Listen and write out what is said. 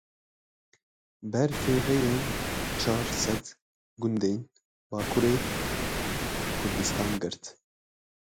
Berfê rêyên çar sed gundên Bakurê Kurdistan girt.